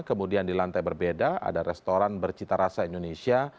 kemudian di lantai berbeda ada restoran bercita rasa indonesia